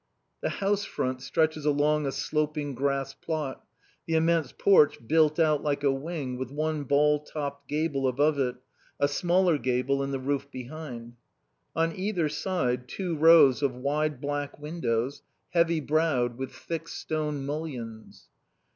The house front stretches along a sloping grass plot, the immense porch built out like a wing with one ball topped gable above it, a smaller gable in the roof behind. On either side two rows of wide black windows, heavy browed, with thick stone mullions.